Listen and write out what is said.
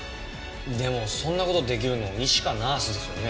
でもそんな事出来るの医師かナースですよね。